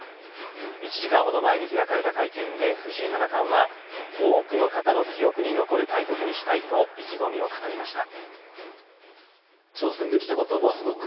１時間ほど前に開かれた会見で藤井七冠は多くの方の記憶に残る対局にしたいと意気込みを語りました。